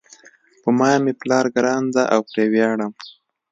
په ما مېپلار ګران ده او پری ویاړم